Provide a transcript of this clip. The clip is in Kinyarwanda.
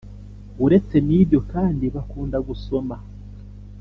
uretse n’ibyo kandi bakunda gusoma